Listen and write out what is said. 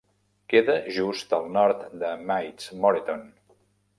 Queda just al nord de Maids Moreton.